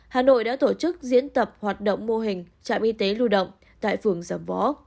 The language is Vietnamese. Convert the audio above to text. hà nội đã tổ chức diễn tập hoạt động mô hình trạm y tế lưu động tại phường giảm võ